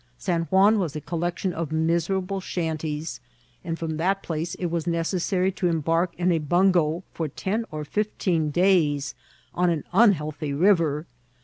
San Juan was a collection of miserable shanties, and from that place it was necessary to embark in a bungo for ten or fifteen days on an unhealthy river.